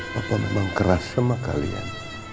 papa memang keras sama kalian